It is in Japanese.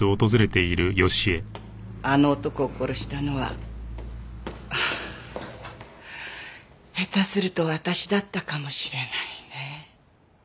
あの男を殺したのは下手すると私だったかもしれないね。